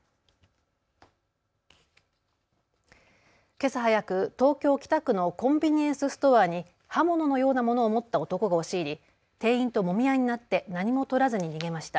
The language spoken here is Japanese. けさ早く東京北区のコンビニエンスストアに刃物のようなものを持った男が押し入り店員ともみ合いになって何もとらずに逃げました。